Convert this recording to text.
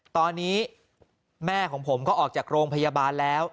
ตอนนี้แม่ของผมก็ออกจากโรงพยาบาลแล้ว